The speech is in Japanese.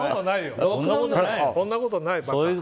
そんなことないよ。